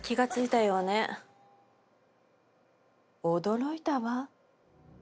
驚いたわ。